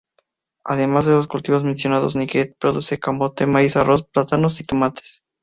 Además de los cultivos mencionados, Níger produce camote, maíz, arroz, plátanos y tomates.